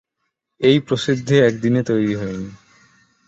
এই প্রসিদ্ধি একদিনে তৈরি হয়নি।